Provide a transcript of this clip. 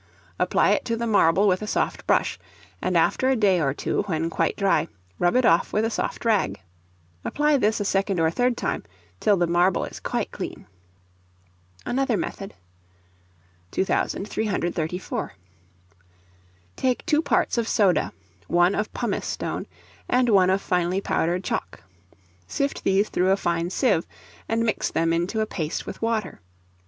Apply it to the marble with a soft brush, and after a day or two, when quite dry, rub it off with a soft rag. Apply this a second or third time till the marble is quite clean. Another method. 2334. Take two parts of soda, one of pumice stone, and one of finely powdered chalk. Sift these through a fine sieve, and mix them into a paste with water.